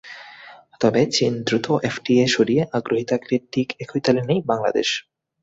তবে চীন দ্রুত এফটিএ সইয়ে আগ্রহী থাকলে ঠিক একই তালে নেই বাংলাদেশ।